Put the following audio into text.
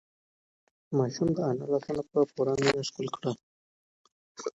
ماشوم د انا لاسونه په پوره مینه ښکل کړل.